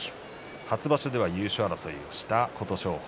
初場所では、優勝争いをした琴勝峰。